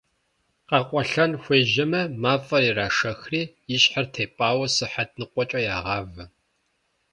Къэкъуэлъэн хуежьэмэ, мафӏэр ирашэхри и щхьэр тепӏауэ сыхьэт ныкъуэкӏэ ягъавэ.